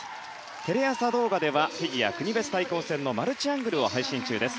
テレ朝動画ではフィギュア国別対抗戦のマルチアングルを配信中です。